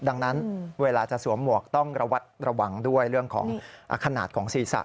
ดังนั้นเวลาจะสวมหมวกต้องระวัดระวังด้วยเรื่องของขนาดของศีรษะ